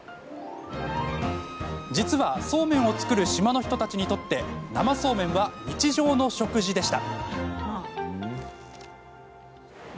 実は、そうめんを作る島の人たちにとって生そうめんは日常の食事でした。